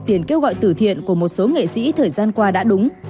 tiền kêu gọi tử thiện của một số nghệ sĩ thời gian qua đã đúng